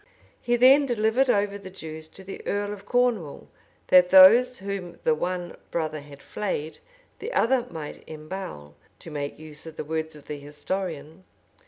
He then delivered over the Jews to the earl of Cornwall, that those whom the one brother had flayed, the other might embowel, to make use of the words of the historian.